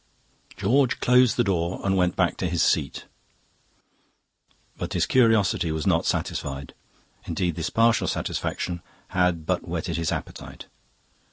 "George closed the door and went back to his seat. But his curiosity was not satisfied. Indeed, this partial satisfaction had but whetted its appetite.